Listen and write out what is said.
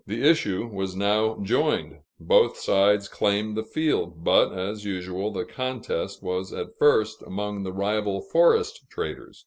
The issue was now joined; both sides claimed the field, but, as usual, the contest was at first among the rival forest traders.